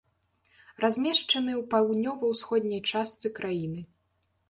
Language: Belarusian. Размешчаны ў паўднёва-ўсходняй частцы краіны.